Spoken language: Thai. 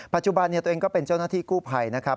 ปัจจุบันตัวเองก็เป็นเจ้าหน้าที่กู้ภัยนะครับ